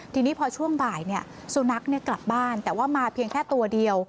ทีนี้พอช่วงบ่ายสุนัขกลับบ้านแต่ว่ามาเพียงแค่ตัวเดียว